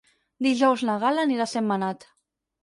Dijous na Gal·la anirà a Sentmenat.